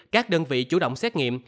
các đơn vị chủ động xét nghiệm